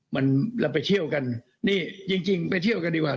มันเราไปเที่ยวกันนี่จริงจริงไปเที่ยวกันดีกว่า